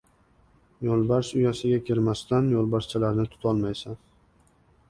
• Yo‘lbars uyasiga kirmasdan yo‘lbarschalarni tutolmaysan.